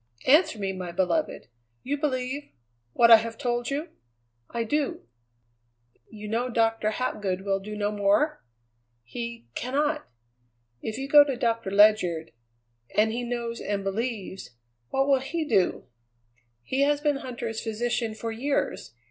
"Answer me, my beloved! You believe what I have told you?" "I do." "You know Doctor Hapgood will do no more?" "He cannot." "If you go to Doctor Ledyard and he knows and believes what will he do?" "He has been Huntter's physician for years.